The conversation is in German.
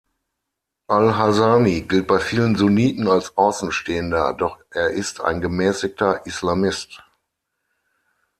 Al-Hasani gilt bei vielen Sunniten als Außenstehender, doch er ist ein gemäßigter Islamist.